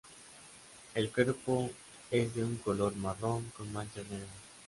El cuerpo es de un color marrón con manchas negras.